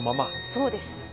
そうです。